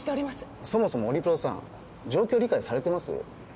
そもそもオリプロさん状況理解されてます？